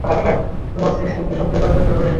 তোমার সোর্স কোডকে সক্রিয় করার চেষ্টা করেছি!